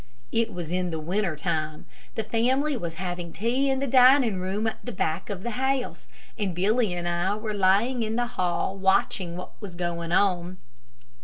It was in the winter time. The family was having tea in the dining room at the back of the house, and Billy and I were lying in the hall watching what was going on.